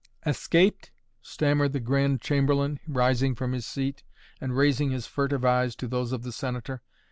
"Escaped?" stammered the Grand Chamberlain, rising from his seat and raising his furtive eyes to those of the Senator.